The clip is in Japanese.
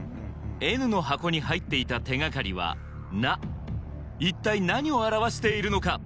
Ｎの箱に入っていた手がかりは「な」一体何を表しているのか？